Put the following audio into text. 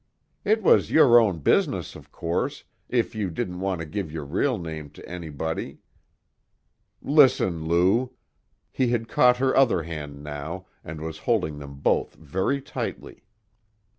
It was your own business, of course, if you didn't want to give your real name to anybody " "Listen, Lou." He had caught her other hand now and was holding them both very tightly.